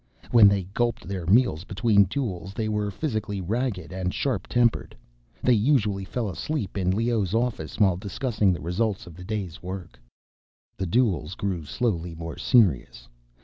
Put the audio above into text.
When they gulped their meals, between duels, they were physically ragged and sharp tempered. They usually fell asleep in Leoh's office, while discussing the results of the day's work. The duels grew slowly more serious.